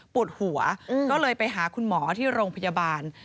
ปวดหัวก็เลยไปหาคุณหมอที่โรงพยาบาล